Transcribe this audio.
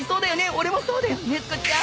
俺もそうだよ禰豆子ちゃん。